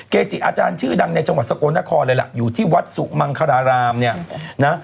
เกจิอาจารย์ชื่อดังในจังหวัดสะกดนครเลยละอยู่ที่วัดสุมรรณพรรณ